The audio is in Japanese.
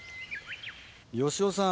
好雄さん。